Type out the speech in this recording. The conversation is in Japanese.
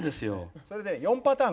それで４パターン